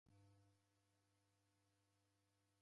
W'asi m'baa ghwa w'ana ni mashomo gha masabu.